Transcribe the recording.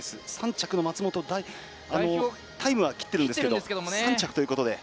３着の松本タイムは切ってるんですけど３着ということで。